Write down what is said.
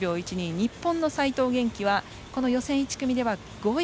日本の齋藤元希は予選１組では５位。